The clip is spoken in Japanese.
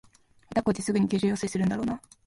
下手こいてすぐに救助要請するんだろうなあ